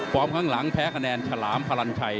ฟอร์มข้างหลังแพ้คะแนนฉลามพรรณไชย